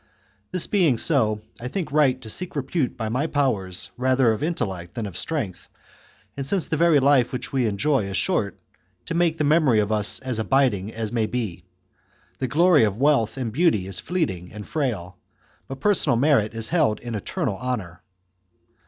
This being so, I think right to seek repute by my powers rather of intellect than of strength, and since the very life which we enjoy is short, to make the memory of us as abiding as may be. The glory of wealth and beauty is fleet ing and frail, but personal merit is held in eternal honour.